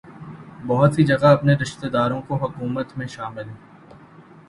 بہت سی جگہ اپنے رشتہ داروں کو حکومت میں شامل